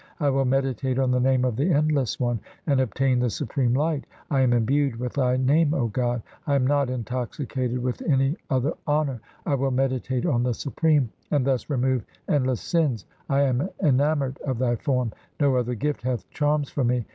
I will meditate on the name of the Endless One, And obtain the supreme light. I am imbued with Thy name, O God ; I am not intoxicated with any other honour. I will meditate on the Supreme, And thus remove endless sins. I am enamoured of Thy form ; No other gift hath charms for me.